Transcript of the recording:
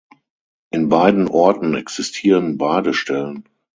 In beiden Orten existieren Badestellen.